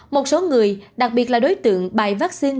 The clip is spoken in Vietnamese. một số người đặc biệt là đối tượng bài vaccine